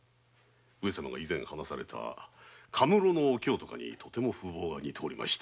上様が以前話された学文路のお京とかにとても風ぼうが似ておりました。